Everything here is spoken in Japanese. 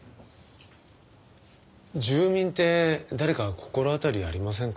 住民って誰か心当たりありませんか？